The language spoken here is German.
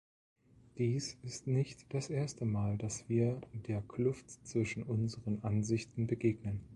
Dies ist nicht das erste Mal, dass wir der Kluft zwischen unseren Ansichten begegnen.